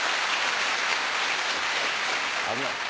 危ない。